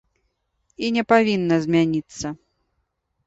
І не павінна змяніцца.